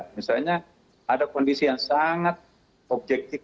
misalnya ada kondisi yang sangat objektif